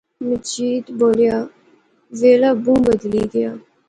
مجید بولیا ویلا بہوں بدلی گیا